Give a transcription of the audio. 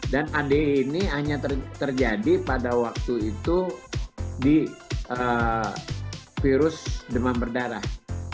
dan ade ini hanya terjadi pada waktu itu di virus demam berdarah